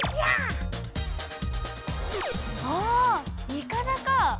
イカダか！